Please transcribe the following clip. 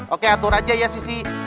oke atur aja ya sisi